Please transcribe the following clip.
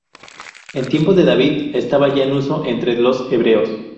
En tiempo de David estaba ya en uso entre los hebreos.